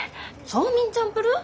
ソーミンチャンプルー？